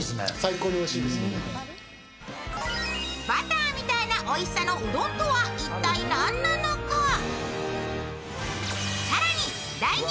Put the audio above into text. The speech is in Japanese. バターみたいなおいしさのうどんとは一体なんなのか。